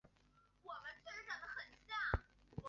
二道河乡是中国陕西省汉中市勉县下辖的一个乡。